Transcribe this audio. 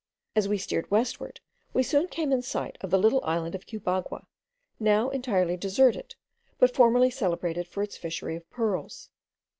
As we steered westward, we soon came in sight of the little island of Cubagua, now entirely deserted, but formerly celebrated for its fishery of pearls.